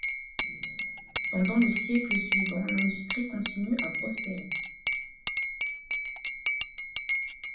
Pendant le siècle suivant l’industrie continuer à prospérer.